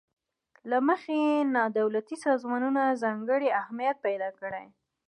له مخې یې نا دولتي سازمانونو ځانګړی اهمیت پیداکړی.